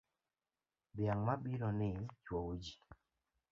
Dhiang' mabironi chwowoji.